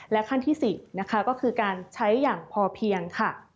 และขั้นที่๔ก็คือการใช้อย่างพอเพียง